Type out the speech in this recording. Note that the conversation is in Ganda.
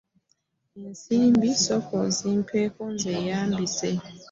Ensimbi sooka ozimpeeko nzeeyambise.